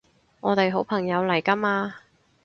我哋好朋友嚟㗎嘛